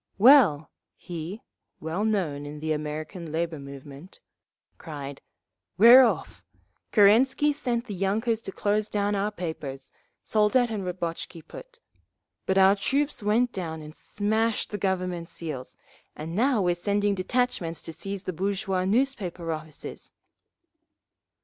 "Well," he cried, "We're off! Kerensky sent the yunkers to close down our papers, Soldat and Rabotchi Put. But our troops went down and smashed the Government seals, and now we're sending detachments to seize the bourgeois newspaper offices!"